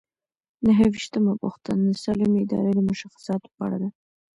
نهه ویشتمه پوښتنه د سالمې ادارې د مشخصاتو په اړه ده.